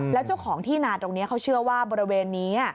แล้วเจ้าของที่นาตรงนี้เขาเชื่อว่าบริเวณนี้